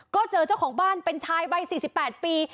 ก็เจอเจ้าของบ้านเป็นชายวัย๔๘ปี